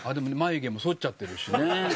眉毛もそっちゃってるし。